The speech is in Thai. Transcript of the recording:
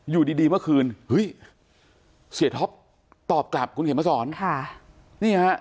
อยู่ดีเมื่อคืนเฮ้ยเสียท็อปตอบกลับคุณเขมมสอน